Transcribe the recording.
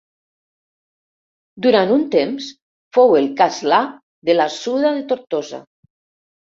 Durant un temps fou el castlà de la Suda de Tortosa.